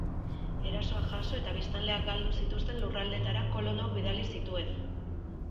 Erasoak jaso eta biztanleak galdu zituzten lurraldeetara kolonoak bidali zituen.